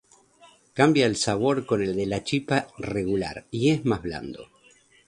Cambia el sabor con el de la chipa regular y es más blando.